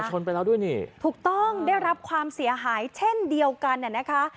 ชนไปแล้วด้วยนี่ถูกต้องได้รับความเสียหายเช่นเดียวกันน่ะนะคะ